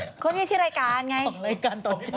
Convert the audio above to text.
เพราะมีที่รายการไงมีของพี่ปุ้ยพี่บ่นวันของรายการตอนเช้า